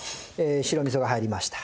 白味噌が入りました。